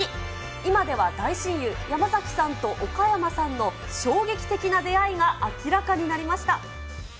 今では大親友、山崎さんと岡山さんの衝撃的な出会いが明らかになりました。